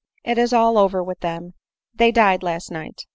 it is all over with them, they died last night."